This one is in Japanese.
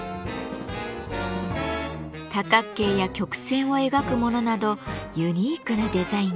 多角形や曲線を描くものなどユニークなデザインです。